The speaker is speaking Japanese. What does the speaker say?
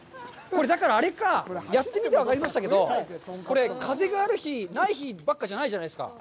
これ、だから、あれかぁ、やってみて分かりましたけど、これ、風がある日、ない日ばっかりじゃないですか。